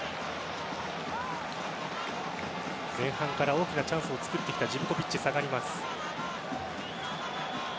前半から大きなチャンスを作ってきたジヴコヴィッチが下がります。